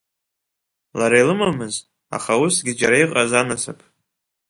Лара илымамыз, аха усгьы џьара иҟаз Анасыԥ.